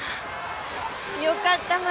よかった。